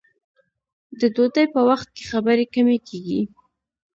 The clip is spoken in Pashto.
د ډوډۍ په وخت کې خبرې کمې کیږي.